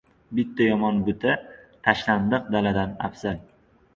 • Bitta yomon buta tashlandiq daladan afzal.